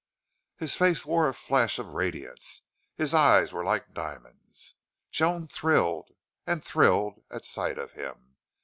His face wore a flush of radiance; his eyes were like diamonds. Joan thrilled and thrilled at sight of him.